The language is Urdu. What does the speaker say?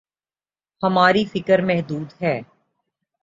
ہماری فکر محدود ہے۔